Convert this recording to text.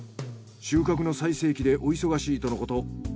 収穫の最盛期でお忙しいとのこと。